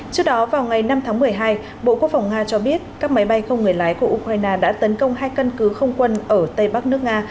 trước đó vào ngày năm tháng một mươi hai bộ quốc phòng nga cho biết các máy bay không người lái của ukraine đã tấn công hai căn cứ không quân ở tây bắc nước nga